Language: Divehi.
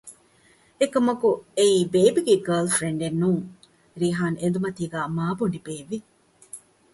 އެކަމަކު އެއީ ބޭބެގެ ގާރލް ފްރެންޑެއް ނޫން ރީޙާން އެނދުމަތީގައި މާބޮނޑި ބޭއްވި